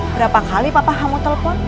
berapa kali papa kamu telpon